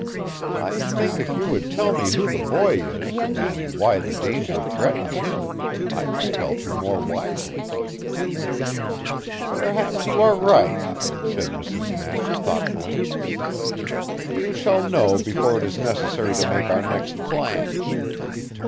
"I think if you would tell me who the boy is, and why the danger threatens him, I might help you more wisely." "Perhaps you are right," said Mrs. Knapp thoughtfully. "You shall know before it is necessary to make our next plans."